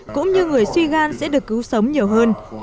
cũng như người suy gan sẽ được cứu sống nhiều hơn